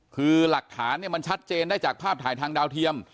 คือหลักฐานเนี่ยมันชัดเจนได้จากภาพถ่ายทางดาวเทียม